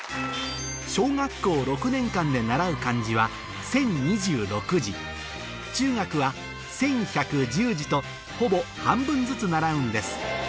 小学校６年間で習う漢字は１０２６字中学は１１１０字とほぼ半分ずつ習うんです